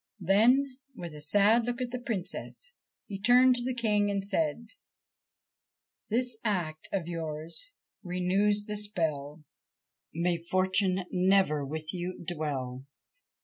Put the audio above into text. Then, with a sad look at the Princess, he turned to the King and said : 4 This act of yours renews the spell, May fortune never with you dwell!